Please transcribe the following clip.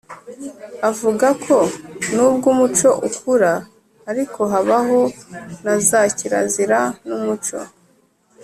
avuga ko n’ubwo umuco ukura ariko habaho na za kirazira m’umuco.